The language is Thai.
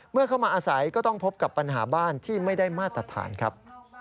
เมื่อเข้ามาอาศัยก็ต้องพบกับปัญหาบ้านที่ไม่ได้มาตรฐานครับ